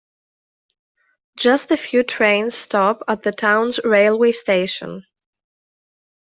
Just a few trains stop at the town's railway station.